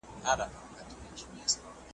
چي شهید مي په لحد کي په نازیږي .